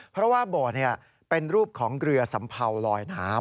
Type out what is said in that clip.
เพราะว่าโบสถ์เป็นรูปของเรือสัมเภาลอยน้ำ